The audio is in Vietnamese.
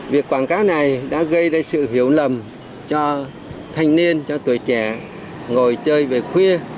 việc quảng cáo này đã gây ra sự hiểu lầm cho thanh niên cho tuổi trẻ ngồi chơi về khuya